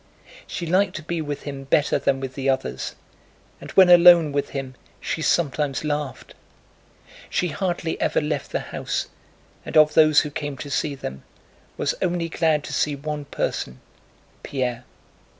She liked to be with him better than with the others, and when alone with him she sometimes laughed. She hardly ever left the house and of those who came to see them was glad to see only one person, Pierre.